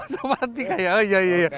kau seperti kayak oh iya iya